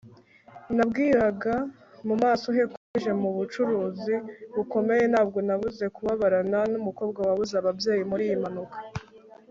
Nabwiraga mu maso he ko yaje mu bucuruzi bukomeye Ntabwo nabuze kubabarana numukobwa wabuze ababyeyi muriyi mpanuka